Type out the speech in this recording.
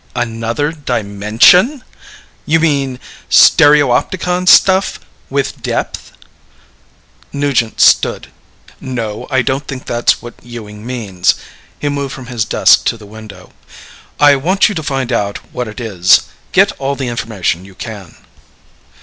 "Another dimension! You mean stereoptican stuff? With depth?" Nugent stood. "No. I don't think that's what Ewing means." He moved from his desk to the window. "I want you to find out what it is. Get all the information you can."